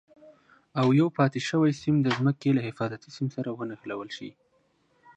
او یو پاتې شوی سیم د ځمکې له حفاظتي سیم سره ونښلول شي.